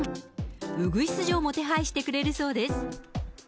うぐいす嬢も手配してくれるそうです。